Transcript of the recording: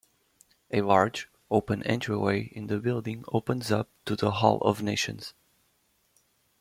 A large, open entryway in the building opens up to the Hall of Nations.